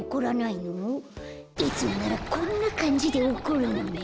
いつもならこんなかんじで怒るのに。